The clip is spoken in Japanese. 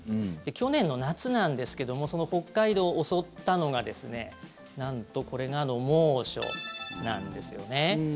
去年の夏なんですけどもその北海道を襲ったのがなんと、これが猛暑なんですよね。